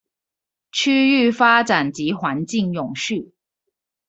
區域發展及環境永續